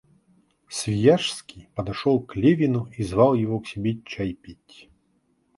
Свияжский подошел к Левину и звал его к себе чай пить.